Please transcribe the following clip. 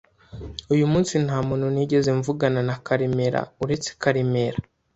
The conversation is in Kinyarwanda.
Uyu munsi nta muntu nigeze mvugana na Karemera uretse Karemera.